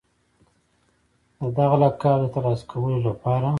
د دغه لقب د ترلاسه کولو لپاره